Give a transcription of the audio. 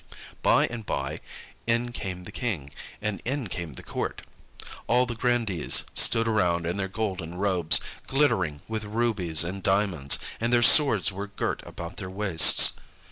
By and by in came the King, and in came the court; all the grandees stood around in their golden robes, glittering with rubies and diamonds, and their swords were girt about their waists.